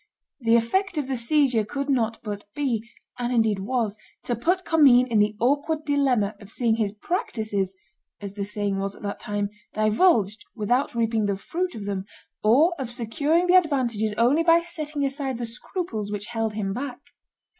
The effect of the seizure could not but be, and indeed was, to put Commynes in the awkward dilemma of seeing his practices (as the saying was at that time) divulged without reaping the fruit of them, or of securing the advantages only by setting aside the scruples which held him back.